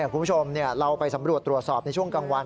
คุณผู้ชมเราไปสำรวจตรวจสอบในช่วงกลางวัน